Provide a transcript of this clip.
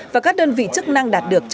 và các đơn vị chức năng đạt được